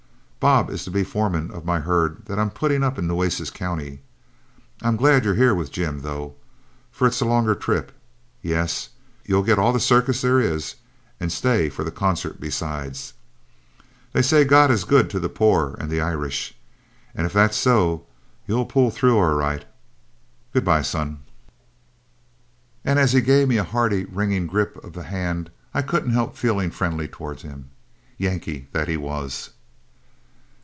Bob is to be foreman of my herd that I'm putting up in Nueces County. I'm glad you're here with Jim, though, for it's a longer trip. Yes, you'll get all the circus there is, and stay for the concert besides. They say God is good to the poor and the Irish; and if that's so, you'll pull through all right. Good by, son." And as he gave me a hearty, ringing grip of the hand, I couldn't help feeling friendly toward him, Yankee that he was.